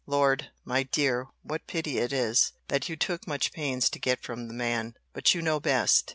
— Lord, my dear, what pity it is, that you took much pains to get from the man!—But you know best!